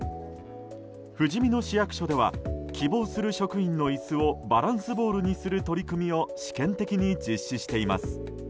ふじみ野市役所では希望する職員の椅子をバランスボールにする取り組みを試験的に実施しています。